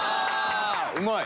うまい！